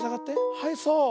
はいそう。